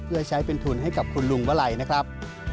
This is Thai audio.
เพื่อใช้เป็นทุนให้กับคุณลุงวลัยนะครับ